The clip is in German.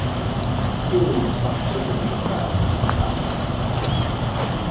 Hier nehmen die Frachtschiffe sie unbeabsichtigt auf.